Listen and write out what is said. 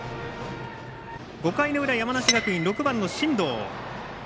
５回の裏、山梨学院、６番の進藤。